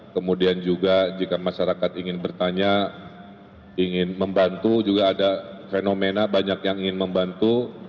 kemudian juga jika masyarakat ingin bertanya ingin membantu juga ada fenomena banyak yang ingin membantu